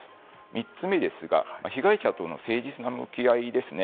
３つ目ですが、被害者との誠実な向き合いですね。